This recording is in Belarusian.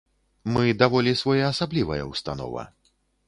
Мы даволі своеасаблівая ўстанова.